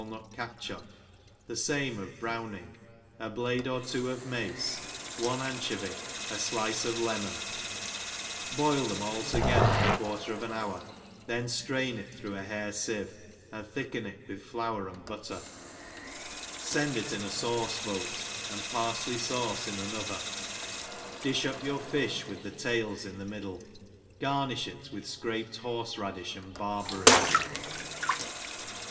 nut catchup, the fame of browning, a blade or two of mace, one anchovy, a dice of lemon; boil them all together a quarter of an hour, then ilrain it through a hair fieve, and thicken it with flour and butter ; fend it in a fauce boat, and parfley fauce in another; difh upyourfi(h with the tails in the middle; garniih it with fcraped horie radifh and barberries. feNGLISH ribUSE KEEPER.